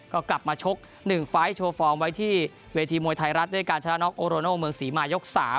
ก็กลับมาชก๑ไฟล์โชว์ฟอร์มไว้ที่เวทีมวยไทยรัฐด้วยการชนะน็กโอโรโนเมืองศรีมายก๓